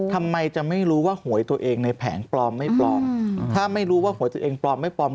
ทำไมจะไม่รู้ว่าหวยตัวเองในแผงปลอมไม่ปลอมถ้าไม่รู้ว่าหวยตัวเองปลอมไม่ปลอม